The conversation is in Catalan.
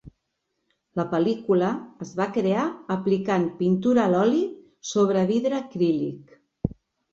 La pel·lícula es va crear aplicant pintura a l'oli sobre vidre acrílic.